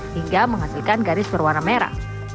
hingga menghasilkan garis berwarna merah